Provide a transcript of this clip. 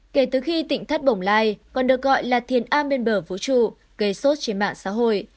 kể từ khi tỉnh thất bồng lai còn được gọi là thiền a bên bờ vũ trụ gây sốt trên mạng xã hội